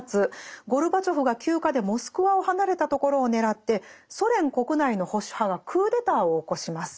ゴルバチョフが休暇でモスクワを離れたところを狙ってソ連国内の保守派がクーデターを起こします。